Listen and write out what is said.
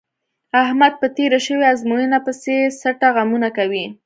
احمد په تېره شوې ازموینه پسې څټه غمونه کوي.